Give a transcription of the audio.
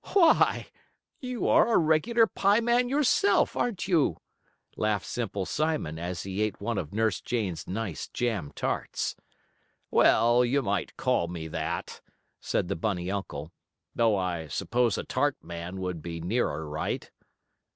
"Why, you are a regular pie man yourself; aren't you?" laughed Simple Simon, as he ate one of Nurse Jane's nice jam tarts. "Well, you might call me that," said the bunny uncle. "Though I s'pose a tart man would be nearer right."